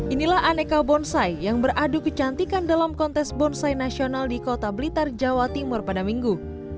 inilah aneka bonsai yang beradu kecantikan dalam kontes bonsai nasional di kota blitar jawa timur pada minggu